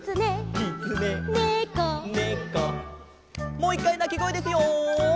もう１かいなきごえですよ！